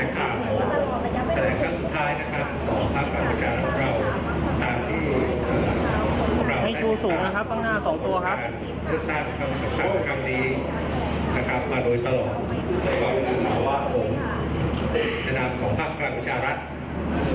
ครับให้ช่วงสูงนะครับครั้งหน้าสองตัวครับ